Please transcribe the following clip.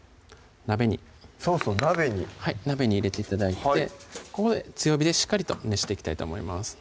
鍋にソースを鍋にはい鍋に入れて頂いてここで強火でしっかりと熱していきたいと思います